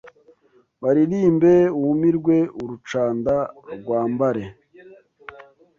Baririmbe wumirwe Urucanda rwambare